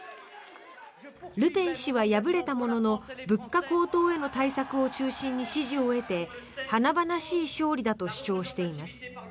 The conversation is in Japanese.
ルペン氏は敗れたものの物価高騰への対策を中心に支持を得て、華々しい勝利だと主張しています。